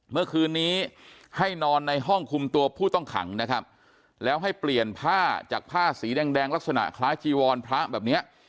เมื่อคืนนี้ให้นอนในห้องคุมตัวผู้ต้องขังนะครับแล้วให้เปลี่ยนผ้าจากผ้าสีแดงลักษณะคล้ายจีวรพระแบบเนี้ย